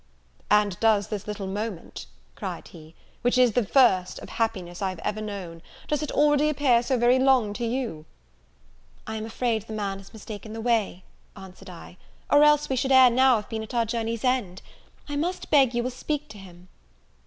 "And does this little moment," cried he, "which is the first of happiness I have ever known, does it already appear so very long to you?" "I am afraid the man has mistaken the way," answered I, "or else we should ere now have been at our journey's end. I must beg you will speak to him."